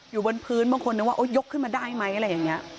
อยู่บนพื้นบางคนนึกว่ายกขึ้นมาได้ไหมอะไรอย่างนี้